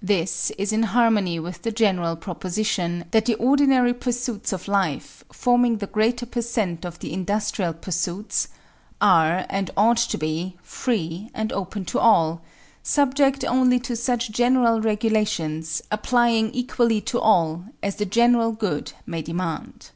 This is in harmony with the general proposition that the ordinary pursuits of life, forming the greater per cent of the industrial pursuits, are and ought to be free and open to all, subject only to such general regulations, applying equally to all, as the general good may demand.